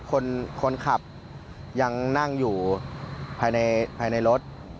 คนขับยังนั่งอยู่ภายในรถ